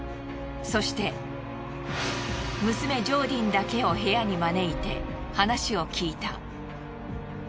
そして娘ジョーディンだけを部屋に招いて話を聴いた。